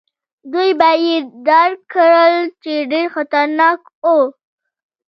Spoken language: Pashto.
دوی به يې ډار کړل، چې ډېر خطرناک وو.